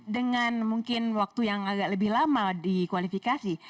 dengan mungkin waktu yang agak lebih lama di kualifikasi